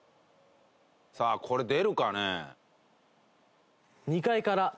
さあこれ出るかね？